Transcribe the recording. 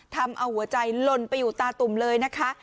ทำเอาหัวใจลนไปอยู่ตาตุ่มเลยนะคะ